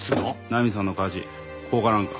ナミさんの火事放火なんか？